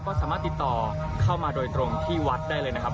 ก็สามารถติดต่อเข้ามาโดยตรงที่วัดได้เลยนะครับ